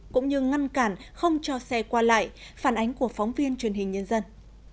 cũng như ngăn cản không cho xe qua lại phản ánh của phóng viên truyền hình nhân dân